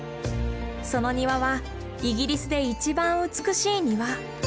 その庭はイギリスで一番美しい庭。